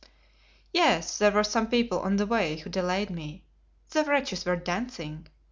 "Yes, there were some people on the way who delayed me. The wretches were dancing.